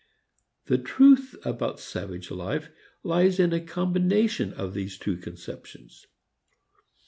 The truth about savage life lies in a combination of these two conceptions.